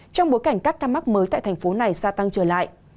trong bối cảnh các ca mắc mới tại thành phố này gia tăng trở lại